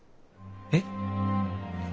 えっ？